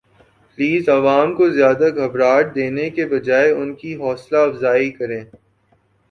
piles عوام کو زیادہ گھبراہٹ دینے کے بجاے ان کی حوصلہ افزائی کریں